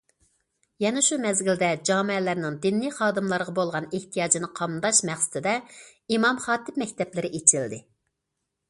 يەنە شۇ مەزگىلدە جامەلەرنىڭ دىنىي خادىملارغا بولغان ئېھتىياجىنى قامداش مەقسىتىدە ئىمام-- خاتىپ مەكتەپلىرى ئېچىلدى.